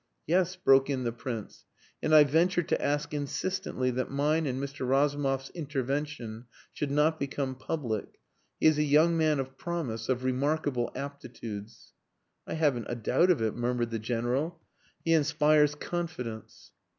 "Yes," broke in the Prince. "And I venture to ask insistently that mine and Mr. Razumov's intervention should not become public. He is a young man of promise of remarkable aptitudes." "I haven't a doubt of it," murmured the General. "He inspires confidence."